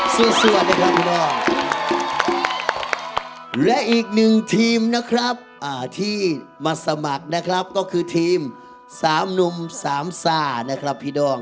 สวัสดีครับคุณพ่อและอีกหนึ่งทีมนะครับที่มาสมัครนะครับก็คือทีมสามหนุ่มสามซ่านะครับพี่ด้อง